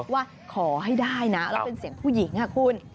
ว่าขอให้ได้นะแล้วเป็นเสียงผู้หญิงค่ะคุณ